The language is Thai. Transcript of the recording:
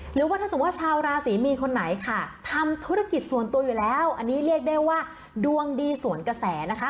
หรือว่าถ้าสมมุติว่าชาวราศรีมีนคนไหนค่ะทำธุรกิจส่วนตัวอยู่แล้วอันนี้เรียกได้ว่าดวงดีสวนกระแสนะคะ